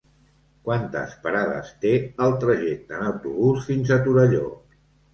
Quantes parades té el trajecte en autobús fins a Torelló?